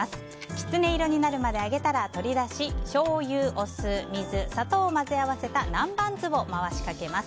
キツネ色になるまで揚げたら取り出ししょうゆ、お酢、水、砂糖を混ぜ合わせた南蛮酢を回しかけます。